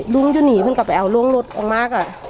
รุ่นยูนี่ก็ไปเอาลงกลุ่มมัก